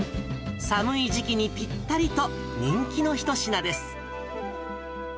寒い時期にぴったりと人気の一品です。